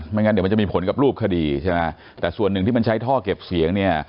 งั้นเดี๋ยวมันจะมีผลกับรูปคดีใช่ไหมแต่ส่วนหนึ่งที่มันใช้ท่อเก็บเสียงเนี่ย